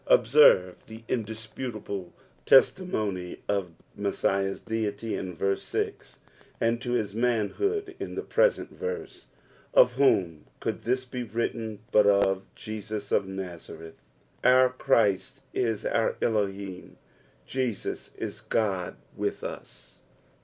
Observe the indisputable testimony to Messiah's Deity in verse six, and to his manhood in tho present verse. Of whom could this be written but of Jesus of Nazareth 1 Our Christ is our Elohim, Jesus ia God with us.